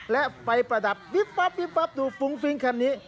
และไปประดับวิบปั๊บวิบวับดูฟุ้งฟิ้งคันนี้